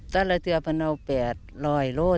แต่ละเทือมันเอา๘รอยโลก